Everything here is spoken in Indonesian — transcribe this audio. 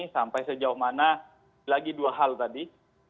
sampai sejauh mana lagi dua hal tadi